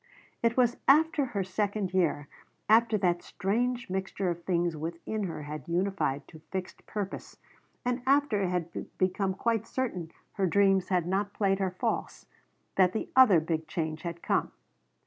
It was after the second year, after that strange mixture of things within her had unified to fixed purpose, and after it had become quite certain her dreams had not played her false, that the other big change had come.